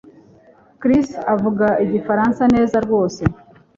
Chris avuga igifaransa neza rwose